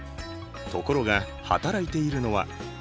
ところが働いているのは。